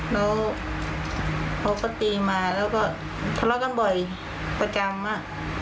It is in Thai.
แล้วเขาก็ตีมาแล้วก็ทะเลาะกันบ่อยประจำอ่ะ